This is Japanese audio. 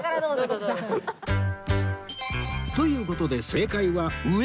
という事で正解は上